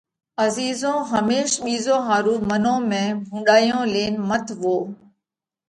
عزيرو ھميش ٻِيزون ۿارُو منون ۾ ڀونڏايون لينَ مت وو۔